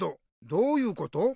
「どういうこと？」。